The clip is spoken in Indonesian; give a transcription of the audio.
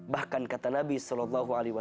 bahkan kata nabi saw